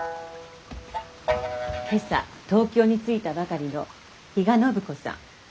今朝東京に着いたばかりの比嘉暢子さん。